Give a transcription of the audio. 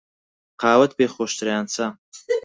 قاوەت پێ خۆشترە یان چا؟